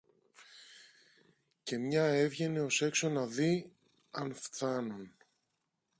και μια έβγαινε ως έξω να δει αν φθάνουν